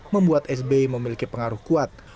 membuat sby memiliki pengaruh kuat